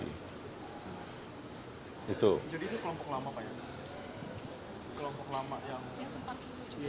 jadi itu kelompok lama pak